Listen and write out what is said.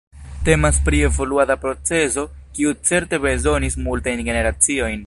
Temas pri evoluada procezo, kiu certe bezonis multajn generaciojn.